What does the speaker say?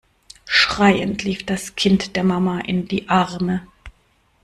Schreiend lief das Kind der Mama in die Arme.